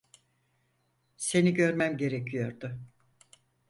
Seni görmem gerekiyordu.